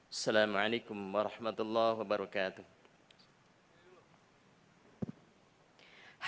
assalamu'alaikum warahmatullahi wabarakatuh